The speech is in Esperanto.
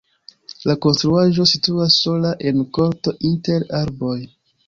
La konstruaĵo situas sola en korto inter arboj.